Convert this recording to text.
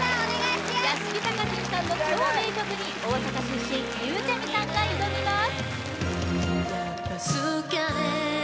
やしきたかじんさんの超名曲に大阪出身ゆうちゃみさんが挑みます・